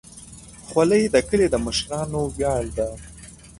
خولۍ د کلي د مشرانو ویاړ ده.